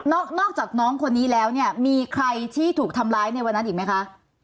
นอกจากน้องคนนี้แล้วเนี่ยมีใครที่ถูกทำร้ายในวันนั้นอีกไหมคะ